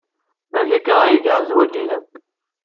Amek akka ay iga zzwaj-nnem?